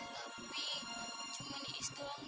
tapi cuma ini istuang ibu